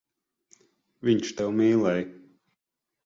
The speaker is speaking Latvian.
Viņš tevi mīlēja.